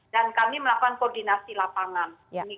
dan kami melakukan koordinasi lapangan